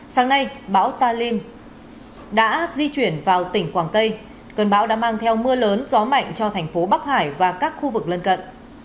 sáng nay bão talim đã di chuyển vào tỉnh quảng tây cơn bão đã mang theo mưa lớn gió mạnh cho thành phố bắc hải và các khu vực lân cận